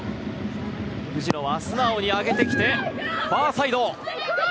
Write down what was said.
藤野は素直に上げてファーサイド！